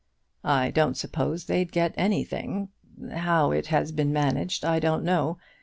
"I don't suppose they'd get anything. How it has been managed I don't know.